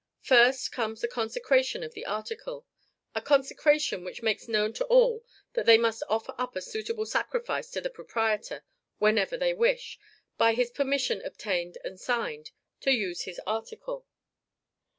First, comes the CONSECRATION of the article; a consecration which makes known to all that they must offer up a suitable sacrifice to the proprietor, whenever they wish, by his permission obtained and signed, to use his article.